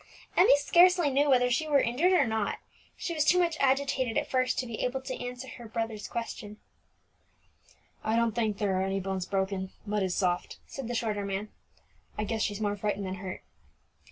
Emmie scarcely knew whether she were injured or not. She was too much agitated at first to be able to answer her brother's question. "I don't think that there are any bones broken; mud is soft," said the shorter man. "I guess she's more frightened than hurt."